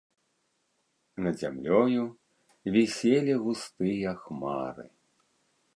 Над зямлёю віселі густыя хмары.